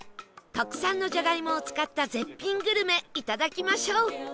特産のじゃがいもを使った絶品グルメいただきましょう